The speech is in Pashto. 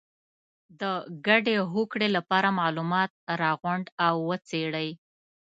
د ګډې هوکړې لپاره معلومات راغونډ او وڅېړئ.